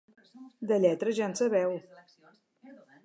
De lletra ja en sabeu.